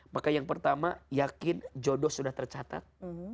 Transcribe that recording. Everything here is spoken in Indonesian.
maka yang pertama yakin jodoh sudah tercatat